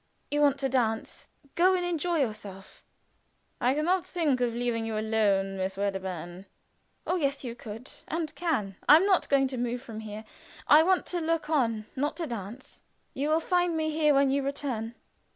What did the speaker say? "You want to dance. Go and enjoy yourself." "I could not think of leaving you alone, Miss Wedderburn." "Oh, yes, you could, and can. I am not going to move from here. I want to look on not to dance. You will find me here when you return."